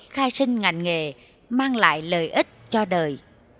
khai sinh ngành nghề mang lại lợi ích cho đời